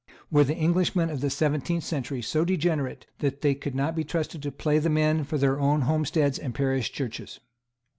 Were the English of the seventeenth century so degenerate that they could not be trusted to play the men for their own homesteads and parish churches?